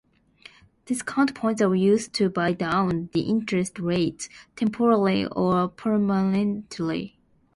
Discount points are used to buy down the interest rates, temporarily or permanently.